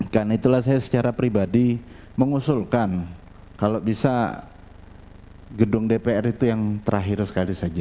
dan itulah saya secara pribadi mengusulkan kalau bisa gedung dpr itu yang terakhir sekali saja